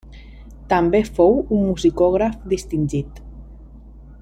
També fou un musicògraf distingit.